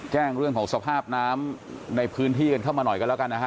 แจ้งเรื่องของสภาพน้ำในพื้นที่กันเข้ามาหน่อยกันแล้วกันนะฮะ